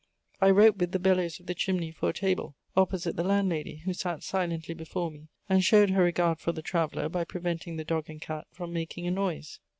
I wrote with the bellows of the chimney for a table, opposite the landlady, who sat silently before me and showed her regard for the traveller by preventing the dog and cat from making a noise.